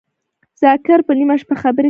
ذاکر په نیمه شپه خبری کوی